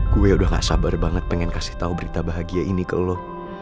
gue udah gak sabar banget pengen kasih tahu berita bahagia ini ke allah